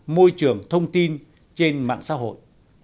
môi trường thông tin trên mạng xã hội